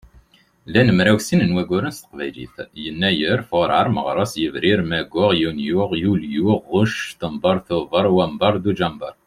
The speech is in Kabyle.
Llan mraw sin n wagguren s teqbaylit: Yennayer, Fuṛar, Meɣres, Yebrir, Mayyu, Yunyu, Yulyu, Ɣuct, Ctamber, Tuber, Wamber, Dujember.